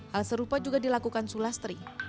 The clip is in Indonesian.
hal serupa juga dilakukan sulastri